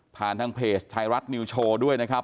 ทางเพจไทยรัฐนิวโชว์ด้วยนะครับ